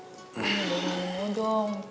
ini bawa bawa dong